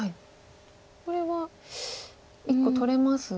これは１個取れますが。